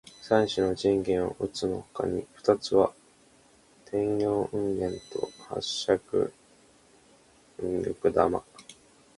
三種の神器のうつのほかの二つは天叢雲剣と八尺瓊勾玉。